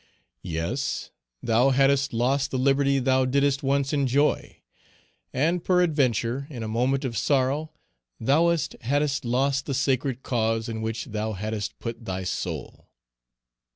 Yes, thou hadst lost the liberty thou didst once enjoy; and, peradventure, in a moment of sorrow thou thoughtest thou hadst lost the sacred cause in which thou hadst put thy soul.